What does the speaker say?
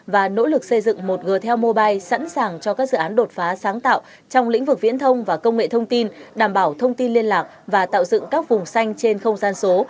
và nỗ lực xây dựng một g tel mobile sẵn sàng cho các dự án đột phá sáng tạo trong lĩnh vực viễn thông và công nghệ thông tin đảm bảo thông tin liên lạc và tạo dựng các vùng xanh trên không gian số